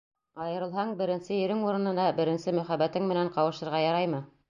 Айырылһаң, беренсе ирең урынына беренсе мөхәббәтең менән ҡауышырға яраймы?